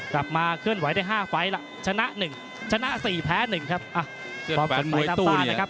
กลับมาเคลื่อนไหวได้๕ไฟล์แล้วชนะ๑ชนะ๔แพ้๑ครับ